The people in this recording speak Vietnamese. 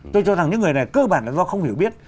tôi cho rằng những người này cơ bản là do không hiểu biết